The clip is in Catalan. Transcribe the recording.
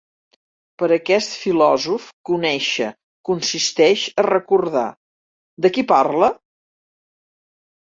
Per a aquest filòsof conèixer consisteix a recordar, de qui parle?